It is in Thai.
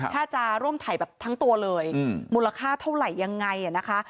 ถ้าจะร่วมถ่ายแบบทั้งตัวเลยมูลค่าเท่าไหร่ยังไงนะคะ